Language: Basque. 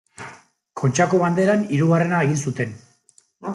Kontxako Banderan hirugarren egin zuten.